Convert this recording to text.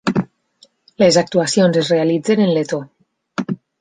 Les actuacions es realitzen en letó.